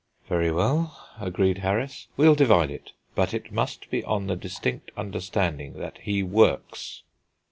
"Very well," agreed Harris, "we'll divide it. But it must be on the distinct understanding that he works."